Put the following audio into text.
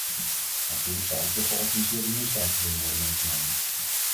Natuurlijk zal ook de georganiseerde misdaad hierin worden meegenomen.